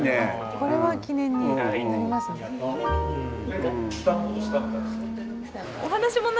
これは記念になりますね。